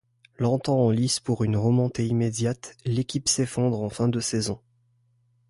Longtemps en lice pour une remontée immédiate, l'équipe s'effondre en fin de saison.